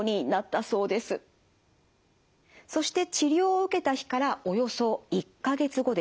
そして治療を受けた日からおよそ１か月後ですね